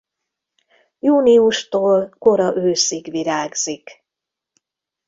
Júniustól kora őszig virágzik.